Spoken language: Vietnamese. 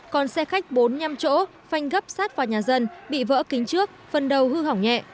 còn xe khách bốn mươi năm chỗ phanh gấp sát vào nhà dân bị vỡ kính trước phần đầu hư hỏng nhẹ